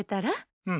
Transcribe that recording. うん。